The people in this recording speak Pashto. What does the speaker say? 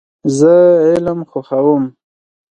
زه علم خوښوم .